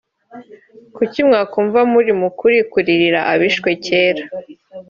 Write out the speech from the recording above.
Kuki mwakumva muri mu kuri kuririra abishwe cyera